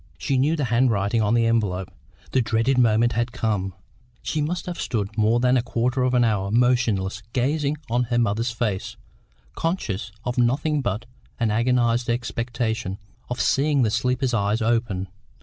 She knew the handwriting on the envelope. The dreaded moment had come. She must have stood more than a quarter of an hour, motionless, gazing on her mother's face, conscious of nothing but an agonised expectation of seeing the sleeper's eyes open.